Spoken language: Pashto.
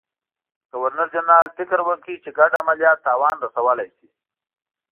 ګورنرجنرال فکر وکړ چې ګډ عملیات تاوان رسولای شي.